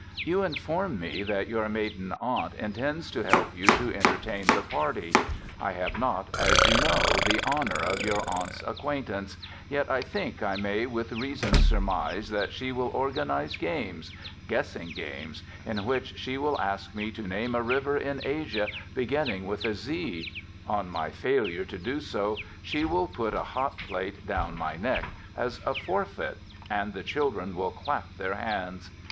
You inform me that your maiden aunt intends to help you to entertain the party. I have not, as you know, the honour of your aunt's acquaintance, yet I think I may with reason surmise that she will organize games guessing games in which she will ask me to name a river in Asia beginning with a Z; on my failure to do so she will put a hot plate down my neck as a forfeit, and the children will clap their hands.